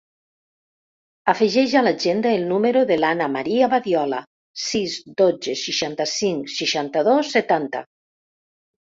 Afegeix a l'agenda el número de l'Ana maria Badiola: sis, dotze, seixanta-cinc, seixanta-dos, setanta.